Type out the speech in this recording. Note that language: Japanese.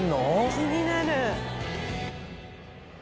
気になる。